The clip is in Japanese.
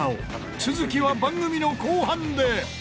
続きは番組の後半で！